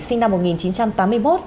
sinh năm một nghìn chín trăm tám mươi một